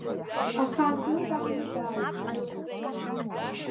Ахан дылбааны дааиуеит.